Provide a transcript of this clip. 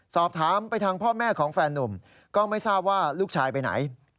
สอบถามไปทางพ่อแม่ของแฟนนุ่มก็ไม่ทราบว่าลูกชายไปไหน